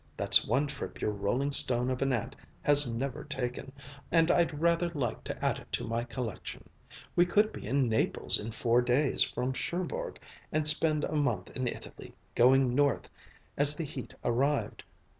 That's one trip your rolling stone of an aunt has never taken, and I'd rather like to add it to my collection. We could be in Naples in four days from Cherbourg and spend a month in Italy, going north as the heat arrived.